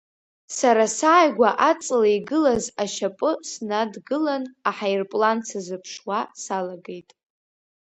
Сара сааигәа аҵла игылаз ашьапы снадгылан, аҳаирплан сазыԥшуа салагеит.